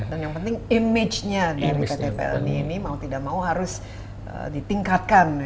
dan yang penting image nya dari bumn ini mau tidak mau harus ditingkatkan